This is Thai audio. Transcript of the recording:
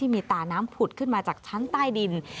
มีตาน้ำผุดขึ้นมาจากชั้นใต้ดิน